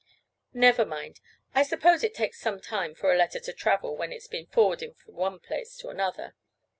"Never mind. I suppose it takes some time for a letter to travel when it's been forwarded from one place to another.